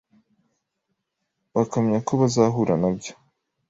bakamenya ko bazahura na byo